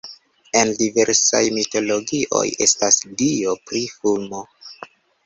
En diversaj mitologioj estas dio pri fulmo.